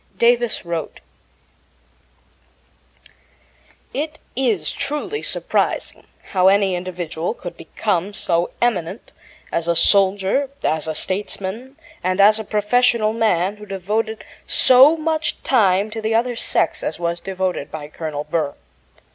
Davis wrote: It is truly surprising how any individual could become so eminent as a soldier, as a statesman, and as a professional man who devoted so much time to the other sex as was devoted by Colonel Burr.